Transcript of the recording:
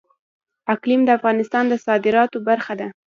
اقلیم د افغانستان د صادراتو برخه ده.